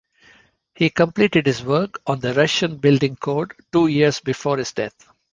He completed his work on the Russian Building Code two years before his death.